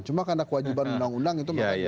cuma karena kewajiban undang undang